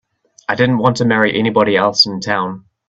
I didn't want to marry anybody else in town.